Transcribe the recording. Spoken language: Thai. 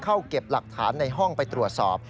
เก็บหลักฐานในห้องไปตรวจสอบ